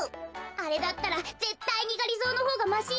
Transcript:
あれだったらぜったいにがりぞーのほうがましよ。